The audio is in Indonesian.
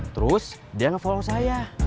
terus dia nge follow saya